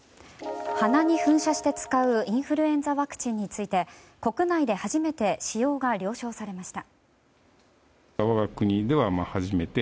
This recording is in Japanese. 鼻に噴射して使うインフルエンザワクチンについて国内で初めて使用が了承されました。